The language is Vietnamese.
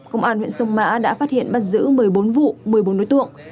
công an huyện sông mã đã phát hiện bắt giữ một mươi bốn vụ một mươi bốn đối tượng